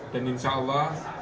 dan insya allah